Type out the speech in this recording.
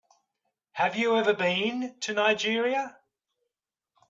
Have you ever been to Nigeria?